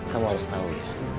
kamu harus tau ya